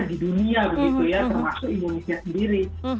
dan ini juga terjadi di dunia begitu ya termasuk indonesia sendiri